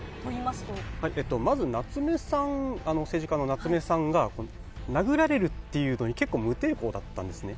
まず夏目さん、政治家の夏目さんが、殴られるっていうのに、結構無抵抗だったんですね。